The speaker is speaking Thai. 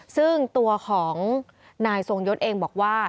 ซึ่งตัวของนายทรงยศเองบอกว่า